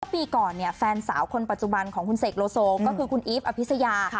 ปีก่อนแฟนสาวคนปัจจุบันของคุณเสกโลโซก็คือคุณอีฟอภิษยา